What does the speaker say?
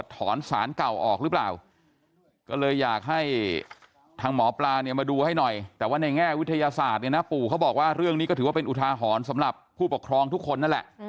ทางหมอปลาเนี่ยมาดูให้หน่อยแต่ว่าในแง่วิทยาศาสตร์เนี่ยนะปู่เขาบอกว่าเรื่องนี้ก็ถือว่าเป็นอุทาหรณ์สำหรับผู้ปกครองทุกคนนั่นแหละ